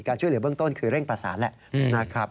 ช่วยเหลือเบื้องต้นคือเร่งประสานแหละนะครับ